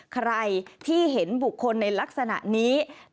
ใครที่เห็นบุคคลในลักษณะนี้